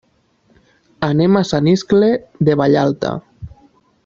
Anem a Sant Iscle de Vallalta.